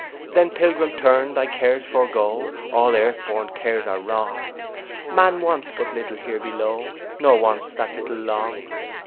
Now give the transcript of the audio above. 'Then, pilgrim, turn, thy cares forego; All earth born cares are wrong: Man wants but little here below, Nor wants that little long.